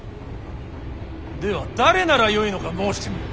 では誰ならよいのか申してみよ。